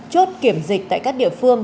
chốt kiểm dịch tại các địa phương